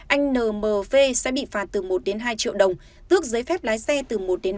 anh nmv sẽ bị phạt từ một hai triệu đồng tước giấy phép lái xe từ một ba tháng